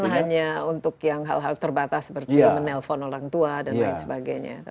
bukan hanya untuk yang hal hal terbatas seperti menelpon orang tua dan lain sebagainya